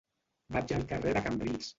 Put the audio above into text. Vaig al carrer de Cambrils.